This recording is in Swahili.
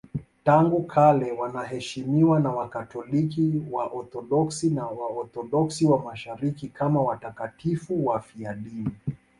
Tangu kale wanaheshimiwa na Wakatoliki, Waorthodoksi na Waorthodoksi wa Mashariki kama watakatifu wafiadini.